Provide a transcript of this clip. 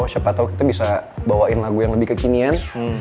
siapa tau kita bisa bawain lagu yang lebih kekinian